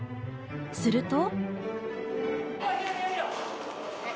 すると。